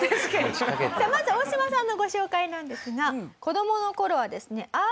さあまずオオシマさんのご紹介なんですが子供の頃はですね